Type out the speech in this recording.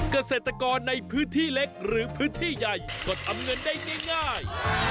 เกษตรกรในพื้นที่เล็กหรือพื้นที่ใหญ่ก็ทำเงินได้ง่าย